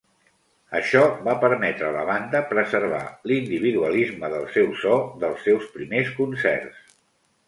Això va permetre a la banda preservar l'individualisme del seu so dels seus primers concerts.